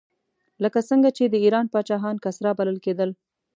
لکه څنګه چې د ایران پاچاهان کسرا بلل کېدل.